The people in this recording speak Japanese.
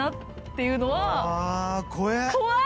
怖い！